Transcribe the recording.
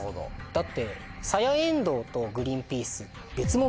だって。